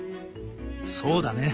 そうだね。